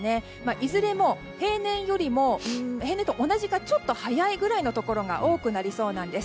いずれも平年と同じかちょっと早いくらいのところが多くなりそうなんです。